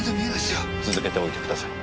続けておいてください。